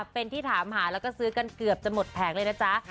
เป็นที่ถามหาแล้วก็ซื้อกันเกือบจะหมดแผงเลยนะจ๊ะ